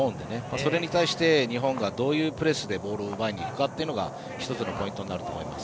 それに対して、日本がどういうプレスでボールを奪いにいくかというのが１つのポイントになります。